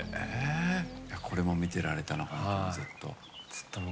これも見てられたな、ずっと。